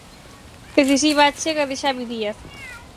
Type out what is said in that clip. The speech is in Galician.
Decisiva achega de Xavi Díaz.